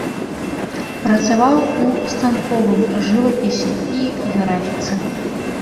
Працаваў у станковым жывапісе і графіцы.